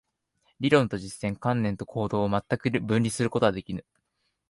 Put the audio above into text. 理論と実践、観念と行動を全く分離することはできぬ。